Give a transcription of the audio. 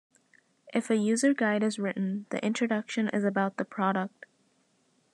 If a Userguide is written, the introduction is about the product.